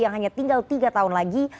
yang hanya tinggal tiga tahun lagi